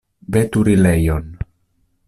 Veturilejon.